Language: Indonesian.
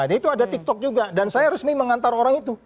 dan itu ada tiktok juga dan saya resmi mengantar orang itu